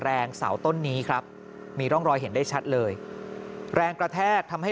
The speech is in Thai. เสาต้นนี้ครับมีร่องรอยเห็นได้ชัดเลยแรงกระแทกทำให้